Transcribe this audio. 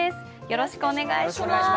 よろしくお願いします。